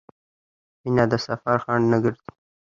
مینه د سفر خنډ نه ګرځي.